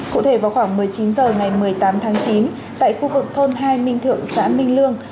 cụ thể vào khoảng một mươi chín h ngày một mươi tám tháng chín tại khu vực thôn hai minh thượng xã minh lương